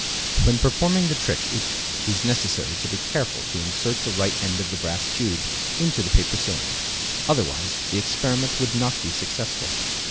When performing the trick it, is necessary to be careful to insert the right end of the brass tube into the paper cylinder, otherwise the experiment would not be successful.